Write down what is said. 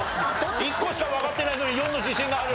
１個しかわかってないのに４の自信がある？